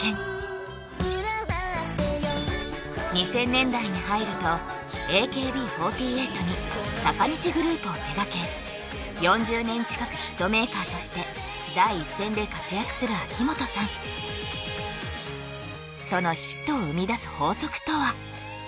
２０００年代に入るとＡＫＢ４８に坂道グループを手がけ４０年近くヒットメーカーとして第一線で活躍する秋元さんそのヒットを生み出す法則とは？